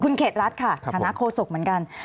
สิ่งที่ประชาชนอยากจะฟัง